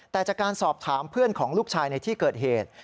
แต่จากการสอบถามเพื่อนของลูกชายในที่เกิดเหตุ